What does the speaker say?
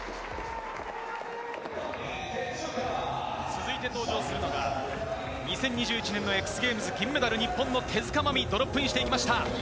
続いて登場するのが２０２１年のＸＧａｍｅｓ銀メダル日本の手塚まみ、ドロップインしました。